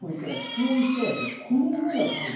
こういきましたらこのような感じ。